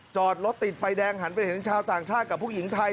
จอดรถติดไฟแดงหันไปเห็นชาวต่างชาติกับผู้หญิงไทย